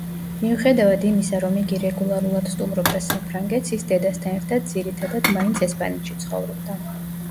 მიუხედავად იმისა, რომ იგი რეგულარულად სტუმრობდა საფრანგეთს, ის დედასთან ერთად ძირითადად მაინც ესპანეთში ცხოვრობდა.